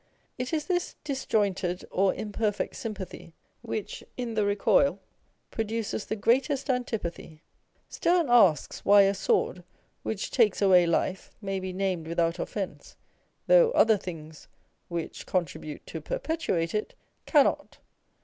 It is this disjointed or imperfect sympathy which in the recoil produces the greatest antipathy. Sterne asks why a sword, which takes away life, may be named without offence, though other things, which contribute to perpetuate it, cannot?